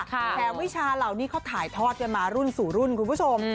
แถมวิชาเหล่านี้เขาถ่ายทอดกันมารุ่นสู่รุ่นคุณผู้ชม